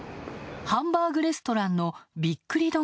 ハンバーグレストランのびっくり